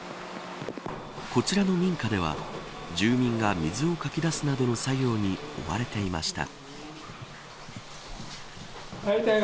こちらの民家では、住民が水をかき出すなどの作業に追われていました。